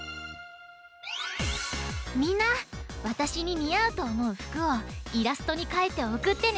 みんなわたしににあうとおもうふくをイラストにかいておくってね！